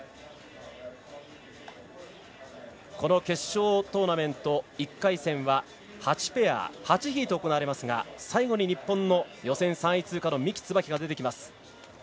決勝トーナメント１回戦は８ペア、８ヒート行われますが最後に日本の予選３位通過の三木つばきが出てきます。